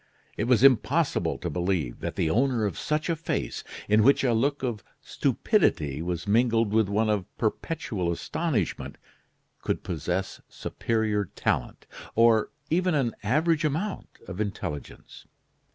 It was impossible to believe that the owner of such a face, in which a look of stupidity was mingled with one of perpetual astonishment, could possess superior talent, or even an average amount of intelligence.